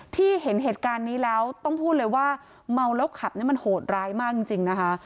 ที่เห็นเหตุการณ์นี้แล้วต้องพูดเลยว่าเมาแล้วขับเนี่ยมันโหดร้ายมากจริงนะคะ